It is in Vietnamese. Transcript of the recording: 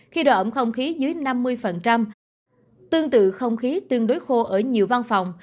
khi độ ẩm không khí dưới năm mươi tương tự không khí tương đối khô ở nhiều văn phòng